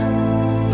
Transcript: gak ada dar